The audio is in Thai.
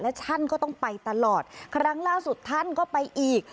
และท่านก็ต้องไปตลอดครั้งล่าสุดท่านก็ไปอีก